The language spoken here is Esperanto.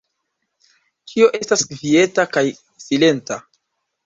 Ĉio estas kvieta kaj silenta.